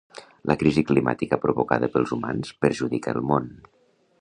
La crisi climàtica provocada pels humans perjudica el món